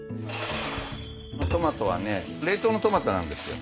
トマトはね冷凍のトマトなんですよ。